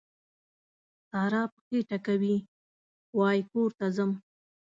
سارا پښې ټکوي؛ وای کور ته ځم.